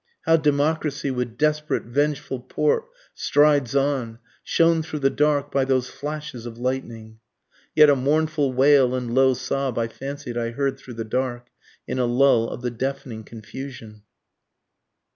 How Democracy with desperate vengeful port strides on, shown through the dark by those flashes of lightning! (Yet a mournful wail and low sob I fancied I heard through the dark, In a lull of the deafening confusion.)